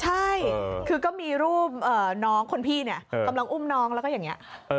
ใช่คือก็มีรูปน้องคนพี่เนี่ยกำลังอุ้มน้องแล้วก็อย่างนี้